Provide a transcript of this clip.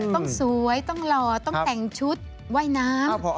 ต้องสวยต้องหล่อต้องแต่งชุดว่ายน้ำ